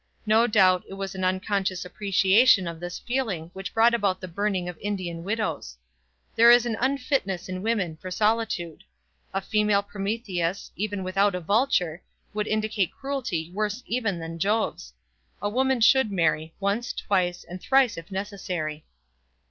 No doubt it was an unconscious appreciation of this feeling which brought about the burning of Indian widows. There is an unfitness in women for solitude. A female Prometheus, even without a vulture, would indicate cruelty worse even than Jove's. A woman should marry, once, twice, and thrice if necessary."